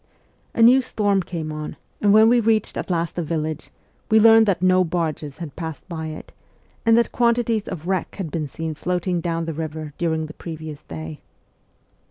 A new storm came on, and when we reached at last a village, we learned that no barges had passed by it, and that quantities of wreck had been seen floating down the river during the previous day.